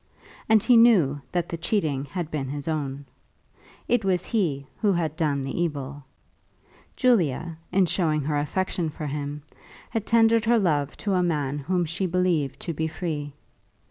And he knew that the cheating had been his own. It was he who had done the evil. Julia, in showing her affection for him, had tendered her love to a man whom she believed to be free.